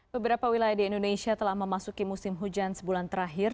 beberapa wilayah di indonesia telah memasuki musim hujan sebulan terakhir